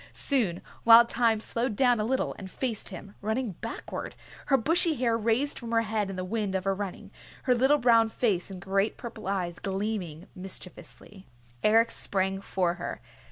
Soon, Wild Thyme slowed down a little, and faced him, running backward, her bushy hair raised from her head in the wind of her running, her little brown face and great purple eyes gleaming mischievously. Eric sprang for her.